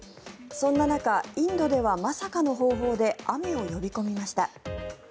そんな中、インドではまさかの方法で雨を呼び込みました。